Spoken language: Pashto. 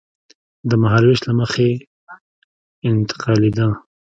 د مهالوېش له مخې انتقالېدل.